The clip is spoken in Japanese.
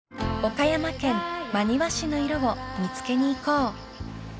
［岡山県真庭市の色を見つけに行こう］